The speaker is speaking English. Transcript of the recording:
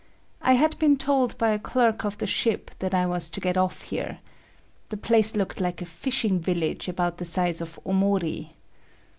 I had been told by a clerk of the ship that I was to get off here. The place looked like a fishing village about the size of Omori.